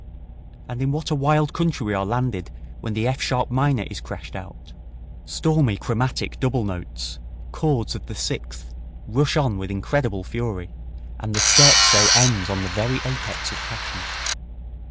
And in what a wild country we are landed when the F sharp minor is crashed out! Stormy chromatic double notes, chords of the sixth, rush on with incredible fury, and the scherzo ends on the very apex of passion.